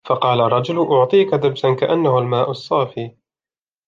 فقال الرجل أعطيك دبساً كأنه الماء الصافي